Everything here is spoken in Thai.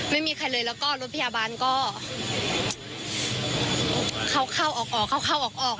ไม่มีใครเลยแล้วก็รถพยาบาลก็เข้าออก